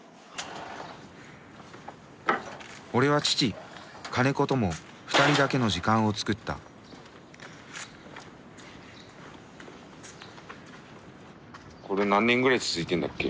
俺は父金子とも２人だけの時間を作ったこれ何年ぐらい続いてんだっけ？